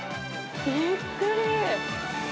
びっくり！